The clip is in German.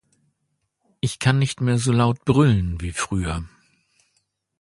Ich kann nicht mehr so laut brüllen wie früher.